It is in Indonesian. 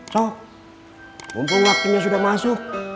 so mumpung waktunya sudah masuk